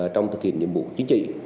trong thực hiện nhiệm vụ chính trị